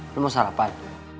lu mau sarapan